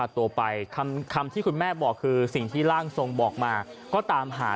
ตัวไปคำที่คุณแม่บอกคือสิ่งที่ร่างทรงบอกมาก็ตามหา